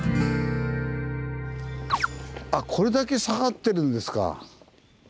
あこれだけ下がってるんですか。